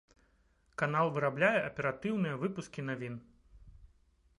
Канал вырабляе аператыўныя выпускі навін.